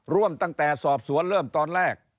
ร่วมตั้งแต่สอบสวนเริ่มตอนแรก